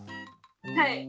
はい。